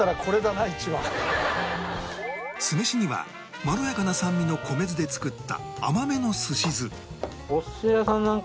酢飯にはまろやかな酸味の米酢で作った甘めの寿司酢